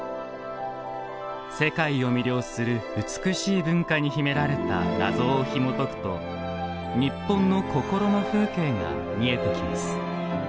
世界を魅了する美しい文化に秘められた謎をひもとくと日本の心の風景が見えてきます。